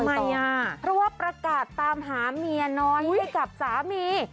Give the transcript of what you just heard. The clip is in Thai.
เพราะว่าประกาศตามหาเมียนอนให้กับสามี